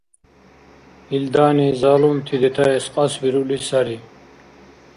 Илдани залумти детаэс кьасбирули сари.